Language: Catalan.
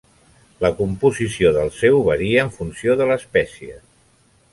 La composició del seu varia en funció de l'espècie.